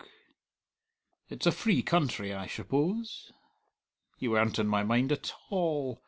It's a free country, I shuppose! Ye weren't in my mind at a all.